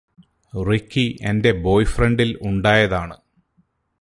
Ricky എന്റെ ബോയ്ഫ്രണ്ടിൽ ഉണ്ടായതാണ്